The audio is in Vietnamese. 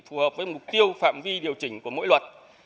phù hợp với mục tiêu phạm vi điều chỉnh của mỗi luật